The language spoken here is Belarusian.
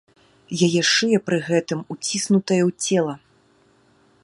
Яе шыя пры гэтым уціснутая ў цела.